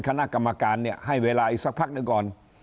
คณะกรรมการเนี่ยให้เวลาอีกสักพักหนึ่งก่อน